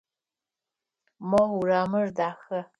Мо урамыр дахэ.